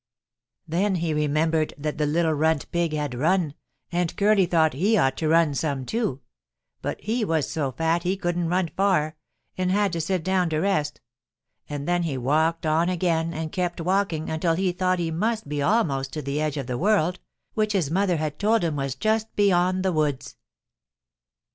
] "Then he remembered that the little runt pig had run, and Curly thought he ought to run some, too, but he was so fat he couldn't run far, and had to sit down to rest, and then he walked on again and kept walking until he thought he must be almost to the edge of the world, which his mother had told him was just beyond the woods.